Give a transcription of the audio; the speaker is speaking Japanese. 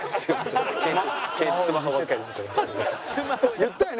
言ったよね？